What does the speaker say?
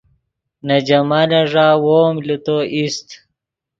نے جمالن ݱا وو ام لے تو ایست